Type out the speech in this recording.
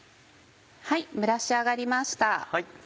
蒸らし上がりました。